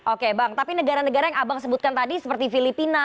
oke bang tapi negara negara yang abang sebutkan tadi seperti filipina